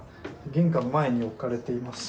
玄関前に置かれています。